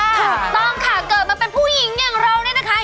ถูกต้องค่ะเกิดมาเป็นผู้หญิงอย่างเราเนี่ยนะคะ